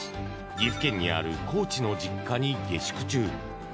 岐阜県にあるコーチの実家に下宿中。